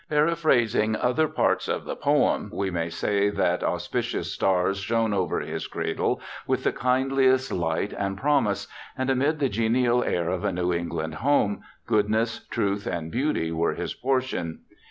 Paraphrasing other parts of the poem, we may say that auspicious stars shone over his cradle with the kindliest light and promise, and amid the genial air of a New England home, goodness, truth, and beauty were his portion.